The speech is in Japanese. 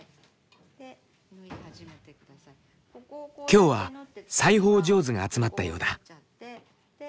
今日は裁縫上手が集まったようだ。